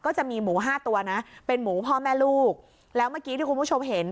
จะมีหมูห้าตัวนะเป็นหมูพ่อแม่ลูกแล้วเมื่อกี้ที่คุณผู้ชมเห็น